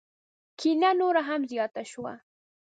کینه نوره هم زیاته شوه.